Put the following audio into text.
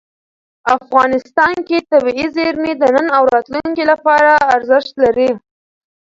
افغانستان کې طبیعي زیرمې د نن او راتلونکي لپاره ارزښت لري.